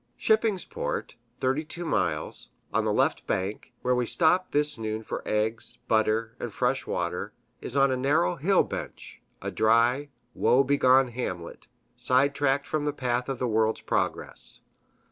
Shippingsport (32 miles), on the left bank, where we stopped this noon for eggs, butter, and fresh water, is on a narrow hill bench a dry, woe begone hamlet, side tracked from the path of the world's progress.